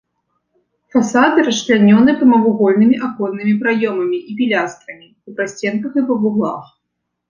Фасады расчлянёны прамавугольнымі аконнымі праёмамі і пілястрамі ў прасценках і па вуглах.